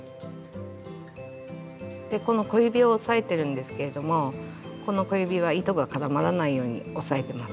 この小指を押さえてるんですけれどもこの小指は糸が絡まらないように押さえてます。